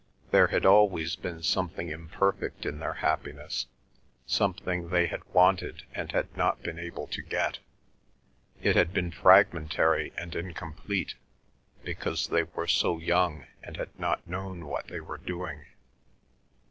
There had always been something imperfect in their happiness, something they had wanted and had not been able to get. It had been fragmentary and incomplete, because they were so young and had not known what they were doing.